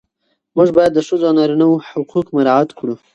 موږ باید د ښځو او نارینه وو حقوق مراعات کړو.